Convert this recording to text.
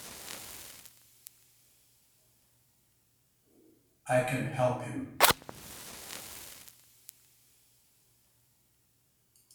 I can help him!